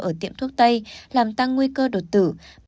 ở tiệm thuốc tây làm tăng nguy cơ đột tử